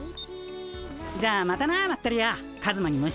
じゃあまたなまったり屋カズマに虫。